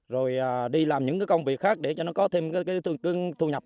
rồi đi làm những công việc khác để cho nó có thêm thu nhập